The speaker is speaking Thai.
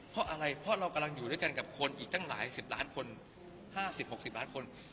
เพราะอะไรเพราะเรากำลังอยู่ด้วยกันกับคนอีกตั้งหลายสิบล้านคน๕๐๖๐ล้านคน